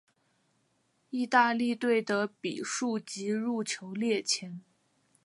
意大利队的比数及入球列前。